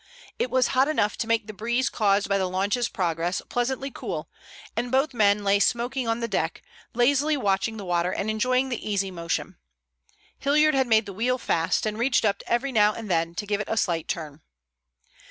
It was hot enough to make the breeze caused by the launch's progress pleasantly cool, and both men lay smoking on the deck, lazily watching the water and enjoying the easy motion. Hilliard had made the wheel fast, and reached up every now and then to give it a slight turn.